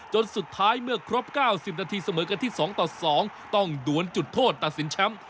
จนสุดท้ายเมื่อครบ๙๐นาทีเสมอกันที่๒ต่อ๒ต้องดวนจุดโทษตัดสินแชมป์